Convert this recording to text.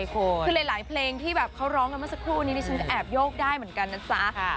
คือหลายเพลงที่แบบเขาร้องกันเมื่อสักครู่นี้ดิฉันก็แอบโยกได้เหมือนกันนะจ๊ะ